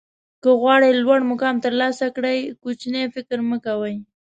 که غواړئ لوړ مقام ترلاسه کړئ کوچنی فکر مه کوئ.